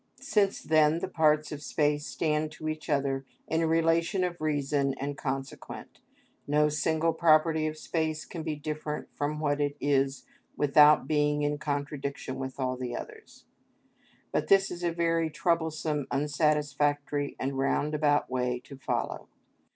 Since then the parts of space stand to each other in a relation of reason and consequent, no single property of space can be different from what it is without being in contradiction with all the others. But this is a very troublesome, unsatisfactory, and roundabout way to follow.